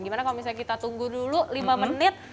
gimana kalau misalnya kita tunggu dulu lima menit